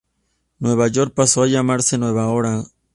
Nueva York pasó a llamarse Nueva Orange.